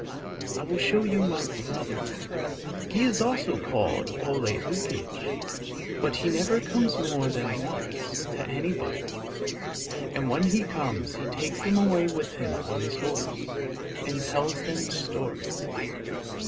I will show you my brother; he is also called Ole Lukoie, but he never comes more than once to anybody, and when he comes he takes them away with him on his horse, and tells them stories.